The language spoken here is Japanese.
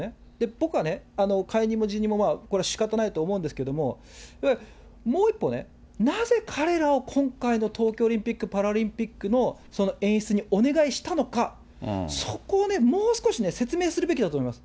僕はね、解任も辞任もこれ、しかたないと思うんですけれども、もう一歩ね、なぜ彼らを今回の東京オリンピック・パラリンピックの演出にお願いしたのか、そこをもう少し説明するべきだと思います。